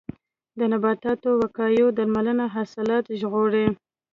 د نباتاتو وقایوي درملنه حاصلات ژغوري.